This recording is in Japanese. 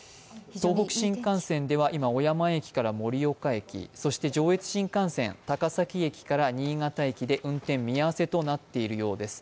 東北新幹線では、今、小山駅から盛岡駅、そして上越新幹線、高崎駅から新潟駅で運転見合わせとなっているようです。